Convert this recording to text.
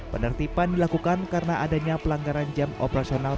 penertiban dilakukan karena adanya pelanggaran jam operasional